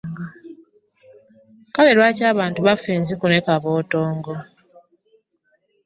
Kale lwaki abantu bafa enziku ne kabotongo?